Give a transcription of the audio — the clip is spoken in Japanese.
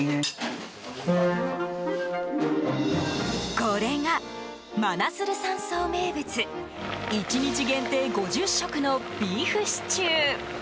これが、マナスル山荘名物１日限定５０食のビーフシチュー。